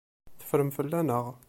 Teffrem fell-aneɣ.